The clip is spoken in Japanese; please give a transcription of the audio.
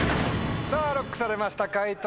さぁＬＯＣＫされました解答